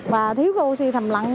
và thiếu oxy thầm lặn